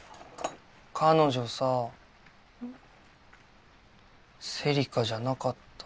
彼女さ芹香じゃなかった。